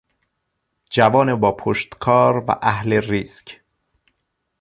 جوان با پشتکار و اهل ریسک